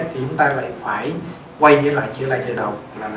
thì chúng ta lại phải quay với lại chữa lại tự động